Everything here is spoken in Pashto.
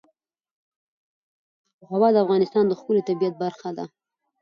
آب وهوا د افغانستان د ښکلي طبیعت برخه ده.